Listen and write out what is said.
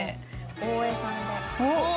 大江さんで。